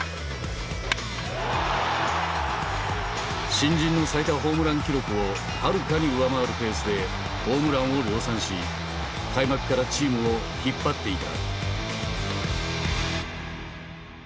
新人の最多ホームラン記録をはるかに上回るペースでホームランを量産し開幕からチームを引っ張っていた。